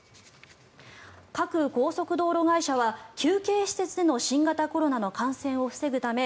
各高速道路会社は、休憩施設での新型コロナの感染を防ぐため